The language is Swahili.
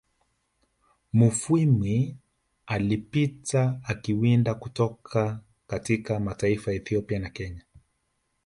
Mufwimi alipita akiwinda kutoka katika mataifa Ethiopia na Kenya